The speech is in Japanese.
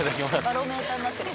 バロメーターになってる。